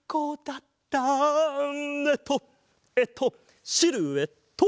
えっとえっとシルエット！